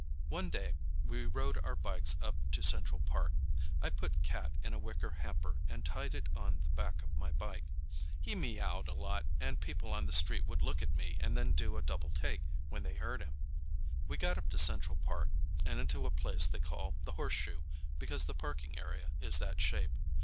One day we rode our bikes up to Central Park. I put Cat in a wicker hamper and tied it on the back of my bike. He meowed a lot, and people on the street would look at me and then do a double take when they heard him. We got up to Central Park and into a place they call The Horseshoe, because the parking area is that shape.